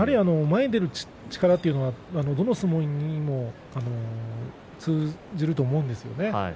前に出る力というのはどの相撲にも通ずると思うんですよね。